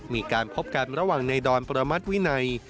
มีการพบกันระหว่างในดอนประมัติวินัย